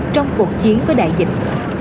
trong cuộc chiến với đại dịch